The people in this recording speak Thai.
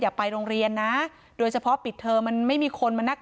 ไปโรงเรียนนะโดยเฉพาะปิดเทอมมันไม่มีคนมานัก